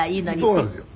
「そうなんですよ。